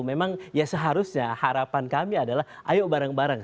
memang ya seharusnya harapan kami adalah ayo bareng bareng